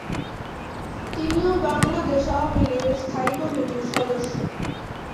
তিনি ও বাংলাদেশ আওয়ামীলীগের স্থায়ী কমিটির সদস্য।